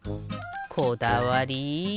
こだわり！